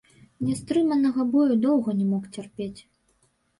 Нястрыманага болю доўга не мог цярпець.